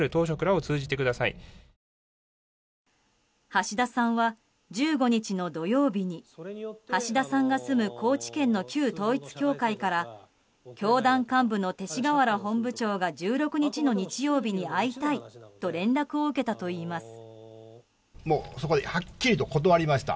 橋田さんは１５日の土曜日に橋田さんが住む高知県の旧統一教会から教団幹部の勅使河原本部長が１６日の日曜日に会いたいと連絡を受けたといいます。